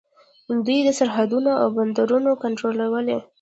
دوی سرحدونه او بندرونه کنټرولوي.